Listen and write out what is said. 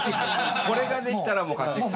これができたらもう勝ち戦。